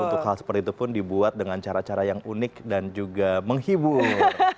jadi untuk hal seperti itu pun dibuat dengan cara cara yang unik dan juga menghibur